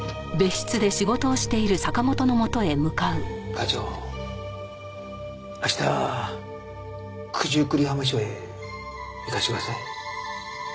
課長明日九十九里浜署へ行かせてください。